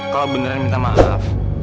kalo beneran minta maaf